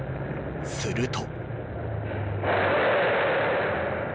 すると。